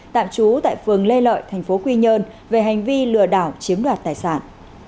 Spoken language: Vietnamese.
tạm trú tại phường lê lợi tp quy nhơn về hành vi lừa đảo chiếm đoạt tài sản